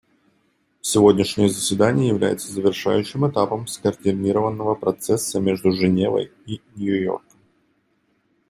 Сегодняшнее заседание является завершающим этапом скоординированного процесса между Женевой и Нью-Йорком.